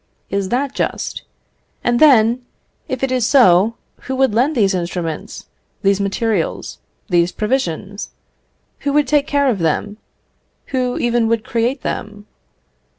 Is that just? And then, if it is so, who would lend these instruments, these materials, these provisions? who would take care of them? who even would create them?